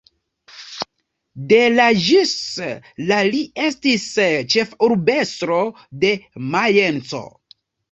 De la ĝis la li estis ĉefurbestro de Majenco.